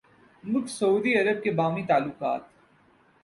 ملک سعودی عرب کے باہمی تعلقات